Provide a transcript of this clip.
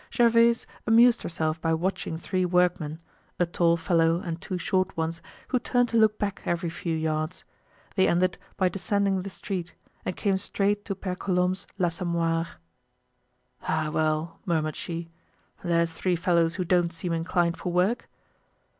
Gervaise amused herself by watching three workmen, a tall fellow and two short ones who turned to look back every few yards; they ended by descending the street, and came straight to Pere Colombe's l'Assommoir. "Ah, well," murmured she, "there're three fellows who don't seem inclined for work!"